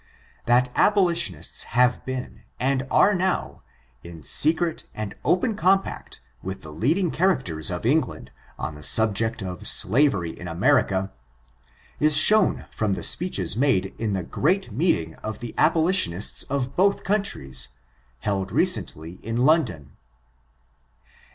That abolitionists have been, and are now, in se cret and open compact with the leading characters of England, on the subject of slavery in America, is shown from the speeches made in the great meeting of the abolitionists of both countries, held recently in London.